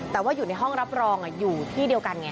แต่ว่าอยู่ในห้องรับรองอยู่ที่เดียวกันไง